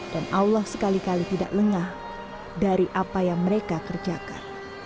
dan allah sekali kali tidak lengah dari apa yang mereka kerjakan